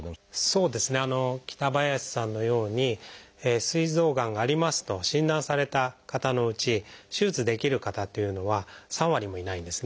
そうですね北林さんのようにすい臓がんがありますと診断された方のうち手術できる方っていうのは３割もいないんですね。